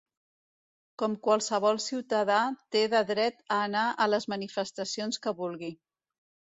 Com qualsevol ciutadà té de dret a anar a les manifestacions que vulgui.